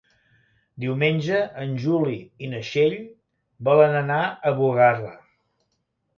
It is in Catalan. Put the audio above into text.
Diumenge en Juli i na Txell volen anar a Bugarra.